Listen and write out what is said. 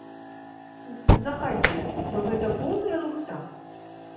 Захадзе, то гэта поўная лухта.